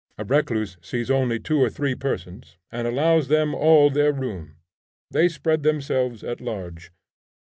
A recluse sees only two or three persons, and allows them all their room; they spread themselves at large.